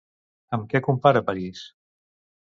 Amb què compara París?